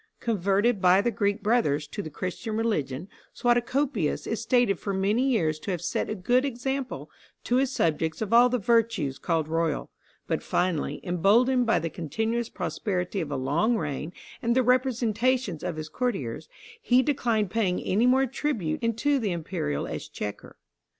Converted by the Greek brothers to the Christian religion, Suatocopius is stated for many years to have set a good example to his subjects of all the virtues called royal; but finally, emboldened by the continuous prosperity of a long reign and the representations of his courtiers, he declined paying any more tribute into the imperial exchequer.